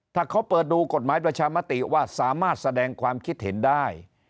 ถ้าเขาเปิดดูกฎหมายประชามติว่าสามารถแสดงความคิดเห็นได้